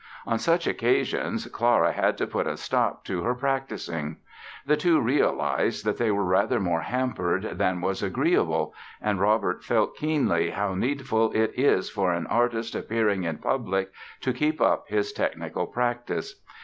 On such occasions Clara had to put a stop to her practising. The two realized that they were rather more hampered than was agreeable and Robert felt keenly how needful it is for an artist appearing in public to keep up his technical practice.